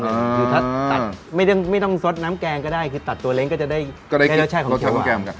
คือถ้าตัดไม่ต้องซดน้ำแกงก็ได้คือตัดตัวเล้งก็จะได้ให้รสชาติของรสชาติแกงกัน